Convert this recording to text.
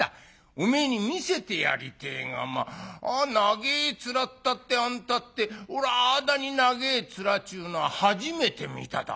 おめえに見せてやりてえが長え面ったってあんたっておらああだに長え面ちゅうのは初めて見ただ。